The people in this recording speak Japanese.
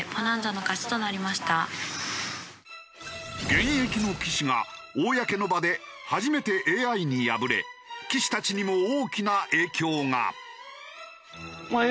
現役の棋士が公の場で初めてＡＩに敗れ棋士たちにも大きな影響が。